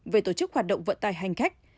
về tổ chức hoạt động vận tải hành khách